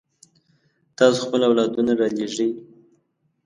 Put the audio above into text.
تاسو خپل اولادونه رالېږئ.